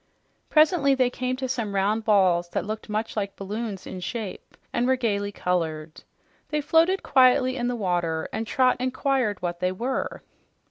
Presently they came to some round balls that looked much like balloons in shape and were gaily colored. They floated quietly in the water, and Trot inquired what they were.